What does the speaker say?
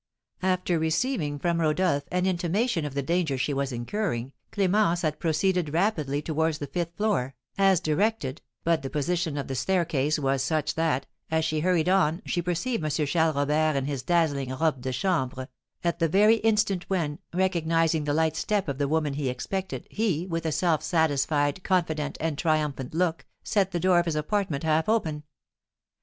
After receiving from Rodolph an intimation of the danger she was incurring, Clémence had proceeded rapidly towards the fifth floor, as directed, but the position of the staircase was such that, as she hurried on, she perceived M. Charles Robert in his dazzling robe de chambre, at the very instant when, recognising the light step of the woman he expected, he, with a self satisfied, confident, and triumphant look, set the door of his apartment half open.